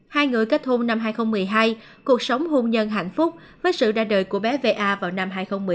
hai người kết hôn năm hai nghìn một mươi hai cuộc sống hôn nhân hạnh phúc với sự ra đời của bé va vào năm hai nghìn một mươi